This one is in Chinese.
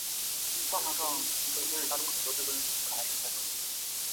卡勃罗是位于美国北卡罗来纳州奥兰治县的一座小城市。